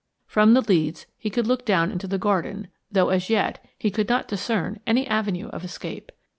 From the leads he could look down into the garden, though, as yet, he could not discern any avenue of escape.